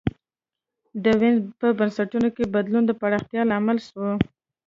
د وینز په بنسټونو کي بدلون د پراختیا لامل سو.